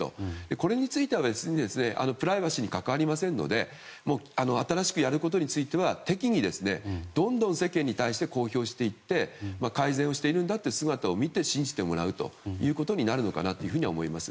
これについては別にプライバシーに関わりませんので新しくやることについては適宜どんどん世間に対して公表していって改善しているんだという姿を見せて信じてもらうということになるのかなと思います。